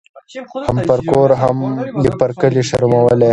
هم پر کور هم یې پر کلي شرمولې